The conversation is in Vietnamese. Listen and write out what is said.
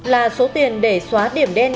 là số tiền để xóa điểm đen